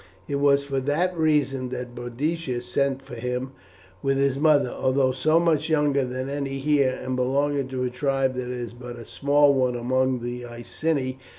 It was for that reason that Boadicea sent for him with his mother, although so much younger than any here, and belonging to a tribe that is but a small one among the Iceni.